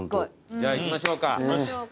じゃあ行きましょうか。